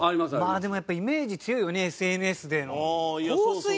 でもやっぱりイメージ強いよねＳＮＳでの。